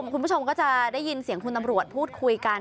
คุณผู้ชมก็จะได้ยินเสียงคุณตำรวจพูดคุยกัน